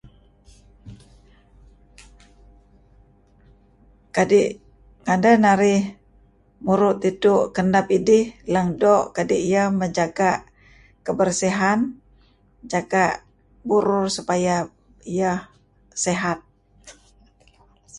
kadi ngudeh narih muru tisu' kenep idih leng do' kadi ieh menjaga kebersihan jaga burur supaya ieh sihat